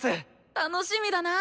楽しみだなぁ！